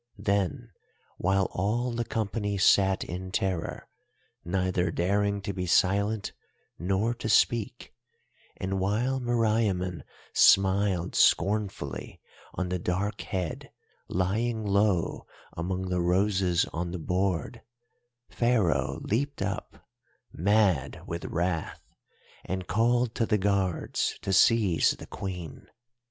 Then, while all the company sat in terror, neither daring to be silent nor to speak, and while Meriamun smiled scornfully on the dark head lying low among the roses on the board, Pharaoh leaped up, mad with wrath, and called to the guards to seize the Queen.